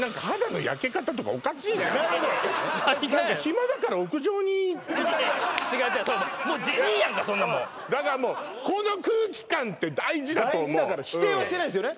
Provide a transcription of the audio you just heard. あと何がよ暇だから屋上にいた違う違うそれもうジジイやんかそんなもんだからもうこの空気感って大事だと思う否定はしてないんですよね